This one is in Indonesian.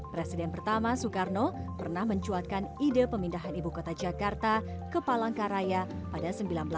presiden pertama soekarno pernah mencuatkan ide pemindahan ibu kota jakarta ke palangkaraya pada seribu sembilan ratus lima puluh tujuh seribu sembilan ratus lima puluh delapan